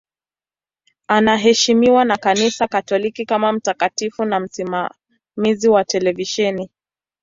Anaheshimiwa na Kanisa Katoliki kama mtakatifu na msimamizi wa televisheni.